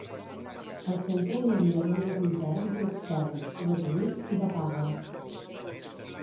Al centre hi havia alumnes interns i externs, gratuïts i de paga.